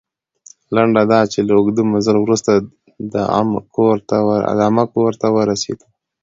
لنډه دا چې، له اوږده مزل وروسته د عمه کور ته ورسېدو.